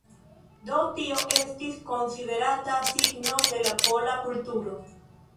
Do tio estis konsiderata signo de la pola kulturo.